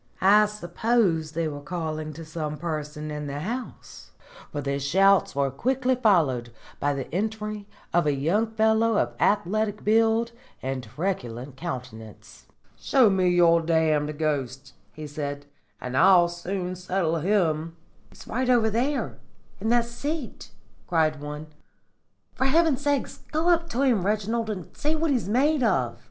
I suppose they were calling to some person in the house, for the shouts were quickly followed by the entry of a young fellow of athletic build and truculent countenance. "'Show me your damned ghost,' he said, 'and I'll soon settle him.' "'He's over there in that seat,' cried one. 'For heaven's sake, go up to him, Reginald, and see what he's made of.'